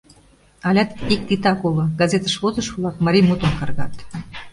Алят ик титак уло: газетыш возышо-влак марий мутым каргат.